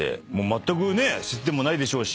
まったく接点もないでしょうし。